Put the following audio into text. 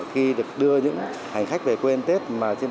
khi được đưa những hành khách về quên tết